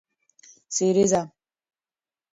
سريزه